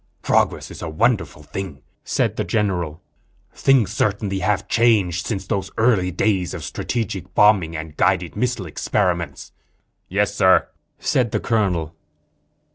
"Progress is a wonderful thing," said the general. "Things certainly have changed since those early days of strategic atomic bombing and guided missile experiments." "Yes, Sir," said the colonel.